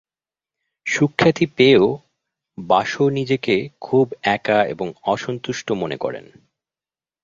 সুখ্যাতি পেয়েও বাসো নিজেকে খুব একা এবং অসন্তুষ্ট মনে করেন।